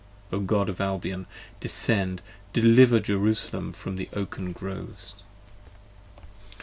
O God of Albion, descend! deliver Jerusalem from the Oaken Groves!